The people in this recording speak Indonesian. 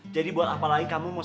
jadi buat apalagi kamu mau